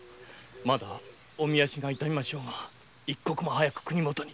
まだおみ足が痛みましょうが一刻も早く国元に。